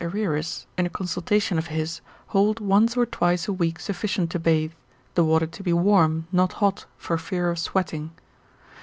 Aererus, in a consultation of his, hold once or twice a week sufficient to bathe, the water to be warm, not hot, for fear of sweating.